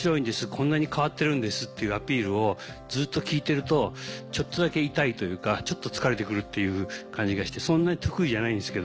こんなに変わってるんです」っていうアピールをずっと聞いてるとちょっとだけ痛いというかちょっと疲れてくるっていう感じがしてそんなに得意じゃないんですけど。